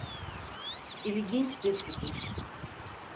İlginç bir fikir.